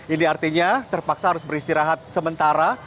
ini artinya terpaksa harus beristirahat sementara